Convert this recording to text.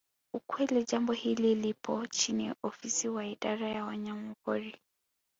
Ukweli jambo hili lipo chini ya ofisa wa idara ya wanyamapori